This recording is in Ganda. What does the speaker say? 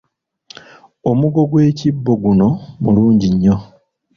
Omugo gw’ekibbo guno mulungi nnyo.